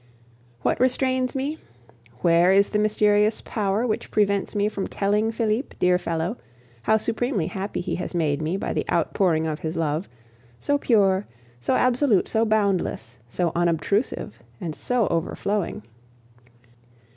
What restrains me? Where is the mysterious power which prevents me from telling Felipe, dear fellow, how supremely happy he has made me by the outpouring of his love so pure, so absolute, so boundless, so unobtrusive, and so overflowing?